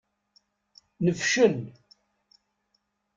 Nefcel.